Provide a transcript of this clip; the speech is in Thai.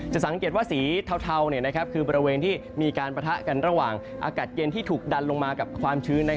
สังเกตว่าสีเทาคือบริเวณที่มีการปะทะกันระหว่างอากาศเย็นที่ถูกดันลงมากับความชื้น